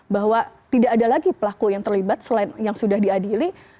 bahwa tidak ada lagi pelaku yang terlibat selain yang sudah diadili